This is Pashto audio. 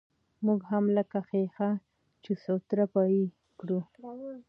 موږ هم لکه ښيښه، چې سوتره به يې کړو.